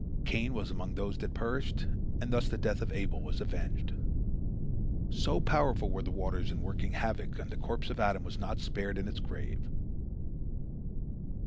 Cain was among those that perished, and thus the death of Abel was avenged. So powerful were the waters in working havoc that the corpse of Adam was not spared in its grave.